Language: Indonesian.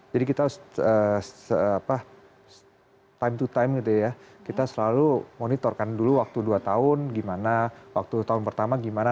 jadi kita time to time gitu ya kita selalu monitorkan dulu waktu dua tahun gimana waktu tahun pertama gimana